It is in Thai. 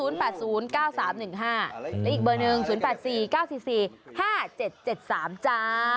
และอีกเบอร์หนึ่ง๐๘๔๙๔๔๕๗๗๓จ้า